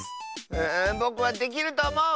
うぼくはできるとおもう！